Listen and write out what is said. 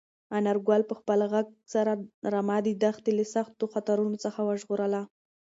انارګل په خپل غږ سره رمه د دښتې له سختو خطرونو څخه وژغورله.